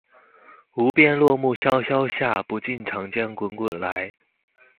无边落木萧萧下，不尽长江滚滚来